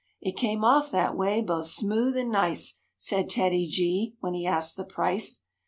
"It came off that way both smooth and nice," Said TEDDY G when he asked the price.